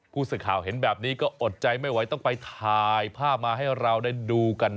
ผู้สื่อข่าวเห็นแบบนี้ก็อดใจไม่ไหวต้องไปถ่ายภาพมาให้เราได้ดูกัน